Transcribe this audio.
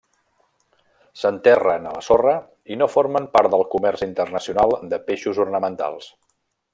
S'enterren a la sorra i no formen part del comerç internacional de peixos ornamentals.